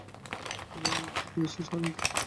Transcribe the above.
আমরা নিজেদের প্রতি বিশ্বাস হারাইয়াছি।